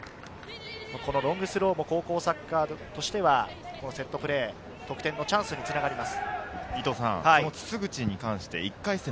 ロングスローも高校サッカーとしては、セットプレー、得点のチャンスにつながります。